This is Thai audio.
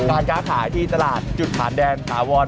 การค้าขายที่ตลาดจุดผ่านแดนถาวร